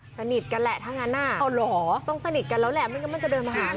สนิทกันแหละทั้งงานหน้าต้องสนิทกันแล้วแหละไม่งั้นมันจะเดินมาหาเหรอ